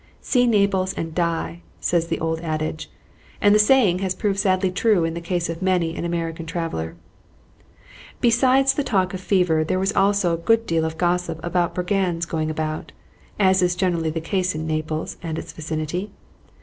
"See Naples and die," says the old adage; and the saying has proved sadly true in the case of many an American traveller. Beside the talk of fever there was also a good deal of gossip about brigands going about, as is generally the case in Naples and its vicinity.